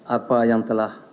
apa yang telah